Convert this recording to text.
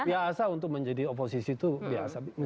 biasa untuk menjadi oposisi itu biasa